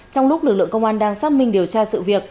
trong lúc lực lượng công an đang xác minh điều tra sự việc